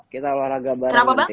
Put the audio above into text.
kita olahraga bareng nanti